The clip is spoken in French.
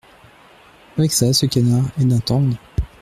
Avec ça, ce canard est d’un tendre…